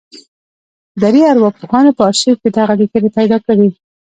درې ارواپوهانو په ارشيف کې دغه ليکنې پیدا کړې.